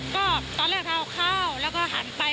ก็ตอนแรกเราเอาข้าวแล้วก็หันไป